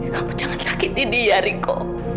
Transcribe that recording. aku jangan sakiti dia riko